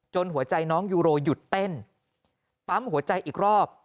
หัวใจน้องยูโรหยุดเต้นปั๊มหัวใจอีกรอบ